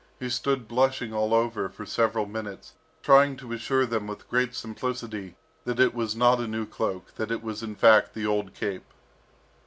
He stood blushing all over for several minutes, trying to assure them with great simplicity that it was not a new cloak, that it was in fact the old "cape."